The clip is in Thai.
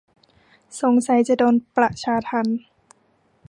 สงสัยจะโดนประชาทัณฑ์